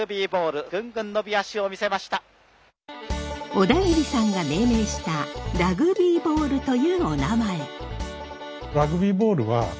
小田切さんが命名したラグビーボールというおなまえ。